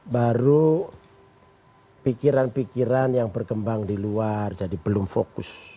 baru pikiran pikiran yang berkembang di luar jadi belum fokus